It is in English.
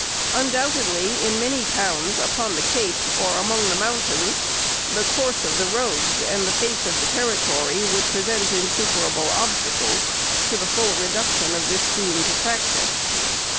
Undoubtedly, in many towns, upon the Cape or among the mountains, the course of the roads and the face of the territory would present insuperable obstacles to the full reduction of this scheme to practice.